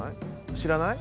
知らない？